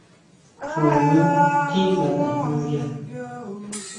Xuñu tjín nga tajñuña.